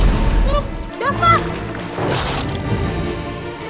kenapa berhenti miaka